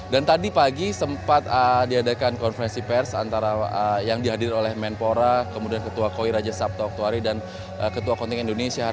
dan tadi pagi sempat diadakan konferensi pers antara yang dihadir oleh menpora kemudian ketua koi raja sabtu oktuari dan pemimpin indonesia